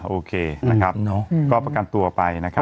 โอเคนะครับก็ประกันตัวไปนะครับ